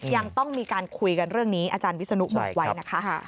ยังต้องมีการคุยกันเรื่องนี้อาจารย์วิศนุบอกไว้นะคะ